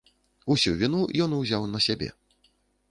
Усю віну ён узяў на сябе.